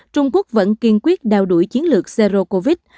trung quốc vẫn kiên quyết đào đuổi chiến lược zero covid